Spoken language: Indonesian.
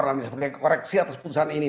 kami sebagai koreksi atas putusan ini